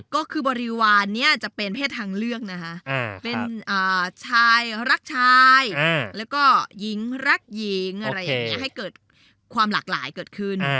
ก็คือบริวารนี้จะเป็นเพศทางเลือกนะคะเป็นชายรักชายแล้วก็หญิงรักหญิงอะไรอย่างนี้ให้เกิดความหลากหลายเกิดขึ้น